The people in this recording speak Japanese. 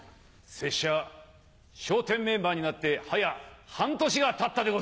拙者笑点メンバーになってはや半年がたったでござる。